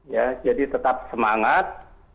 ya jadi tetap semangat